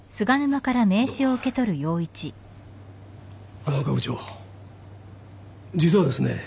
浜岡部長実はですね